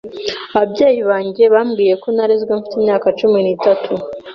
Ababyeyi banjye bambwiye ko narezwe mfite imyaka cumi n'itatu.